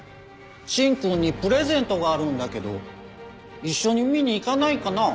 芯君にプレゼントがあるんだけど一緒に見に行かないかな？